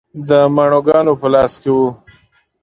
د ماڼوګانو په لاس کې و.